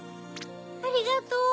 ありがとう。